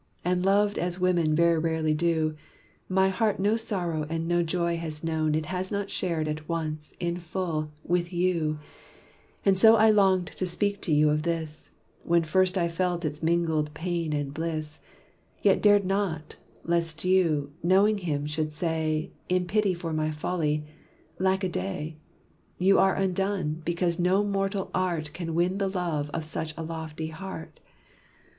And loved as women very rarely do, My heart no sorrow and no joy has known It has not shared at once, in full, with you And I so longed to speak to you of this, When first I felt its mingled pain and bliss; Yet dared not, lest you, knowing him, should say, In pity for my folly 'Lack a day! You are undone: because no mortal art Can win the love of such a lofty heart.'